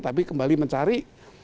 tapi kembali mencari